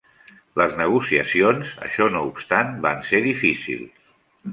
Les negociacions, això no obstant, van ser difícils.